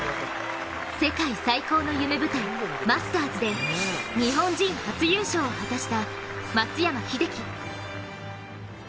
世界最高の夢舞台マスターズで日本人初優勝を果たした松山英樹。